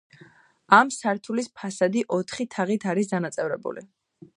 ამ სართულის ფასადი ოთხი თაღით არის დანაწევრებული.